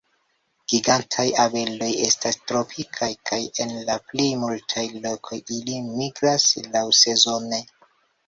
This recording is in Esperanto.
Gigantaj abeloj estas tropikaj kaj en la plej multaj lokoj ili migras laŭsezone.